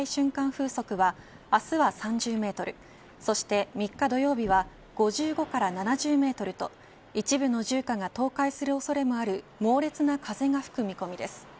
風速は明日は３０メートルそして３日土曜日は５５から７０メートルと一部の住家が倒壊する恐れもある猛烈な風が吹く見込みです。